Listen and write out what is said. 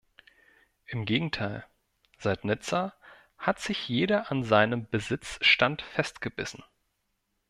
Im Gegenteil, seit Nizza hat sich jeder an seinem Besitzstand festgebissen.